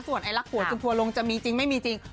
ส่วนไอลักหัวจะทัวร์ลงจะมีจริงไม่มีจริง